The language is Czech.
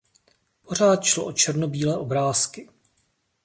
Pořád šlo o černobílé obrázky.